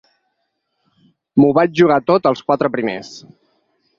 M'ho vaig jugar tot als quatre primers.